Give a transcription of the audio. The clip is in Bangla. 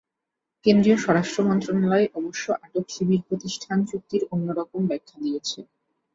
কেন্দ্রীয় স্বরাষ্ট্র মন্ত্রণালয় অবশ্য আটক শিবির প্রতিষ্ঠান যুক্তির অন্য রকম ব্যাখ্যা দিয়েছে।